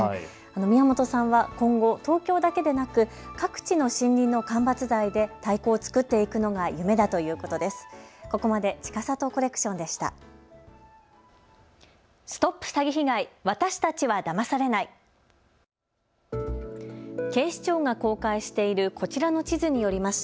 宮本さんは今後、東京だけでなく各地の森林の間伐材で太鼓を作っていくのが夢だということです。